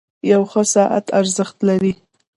• یو ښه ساعت ارزښت لري.